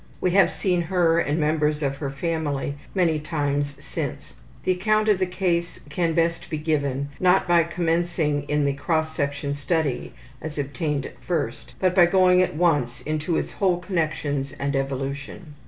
We have seen her and members of her family many times since. The account of the case can best be given, not by commencing with the cross section study as obtained at first, but by going at once into its whole connections and evolution.